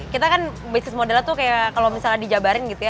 kita kan bisnis modelnya tuh kayak kalau misalnya dijabarin gitu ya